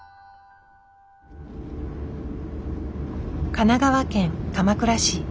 神奈川県鎌倉市。